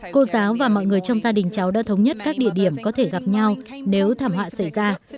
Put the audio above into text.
cô giáo và mọi người trong gia đình cháu đã thống nhất các địa điểm có thể gặp nhau nếu thảm họa xảy ra